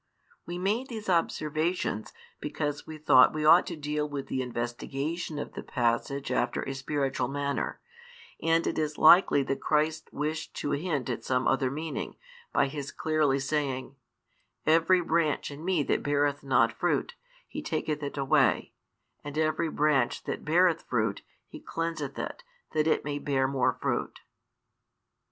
We made these observations because we thought we ought to deal with the investigation of the passage after a spiritual manner, and it is likely that Christ wished to hint at some other meaning, by His clearly saying: Every branch in Me that beareth not fruit, He taketh it away; and every branch that beareth fruit, He cleanseth it, that it may bear more fruit.